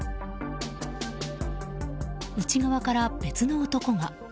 内側から別の男が。